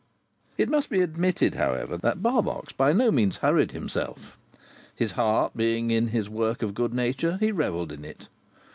It must be admitted, however, that Barbox by no means hurried himself. His heart being in his work of good nature, he revelled in it.